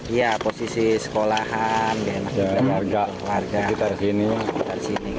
iya posisi sekolahan warga